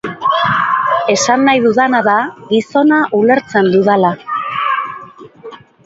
Esan nahi dudana da gizona ulertzen dudala.